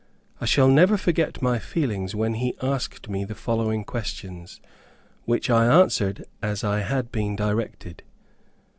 I shall never forget my feelings when he asked me the following questions, which I answered as I had been directed.